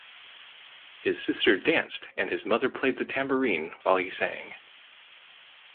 His sister danced and his mother played the tambourine while he sang.